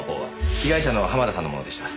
被害者の濱田さんのものでした。